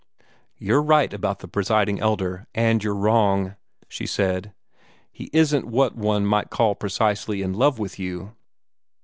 "You're right about the Presiding Elder, and you're wrong," she said. "He isn't what one might call precisely in love with you.